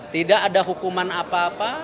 tidak ada hukuman apa apa